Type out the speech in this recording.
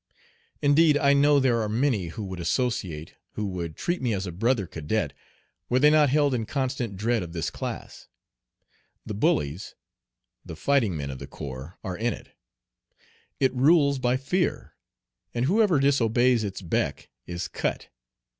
Indeed, I know there are many who would associate, who would treat me as a brother cadet, were they not held in constant dread of this class. The bullies, the fighting men of the corps are in it. It rules by fear, and whoever disobeys its beck is "cut."